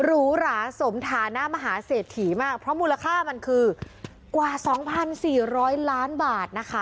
หรูหราสมฐานะมหาเศรษฐีมากเพราะมูลค่ามันคือกว่า๒๔๐๐ล้านบาทนะคะ